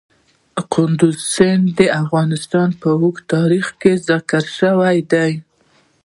کندز سیند د افغانستان په اوږده تاریخ کې ذکر شوی دی.